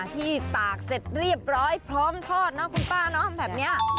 ที่ตากเสร็จเรียบร้อยพร้อมทอดเนอะคุณป้าเนอะแบบนี้